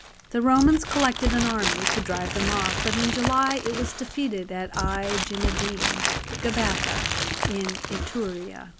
The Romans collected an army to drive them off, but in July it was defeated at Aijnadin [Gabatha] in Ituraea.